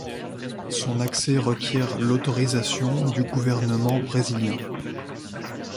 Son accès requiert l'autorisation du gouvernement brésilien.